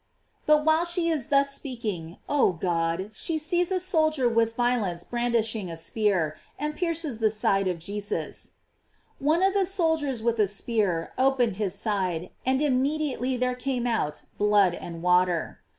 But while she is thus speaking, oh, God ! she sees a soldier with vio lence brandishing a spear, and piercing the side of Jesus : "One of the soldiers with a spear open ed his side, and immediately there came out blood and water."